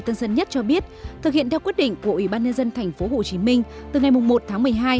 thời gian tính cũng rút ngắn hơn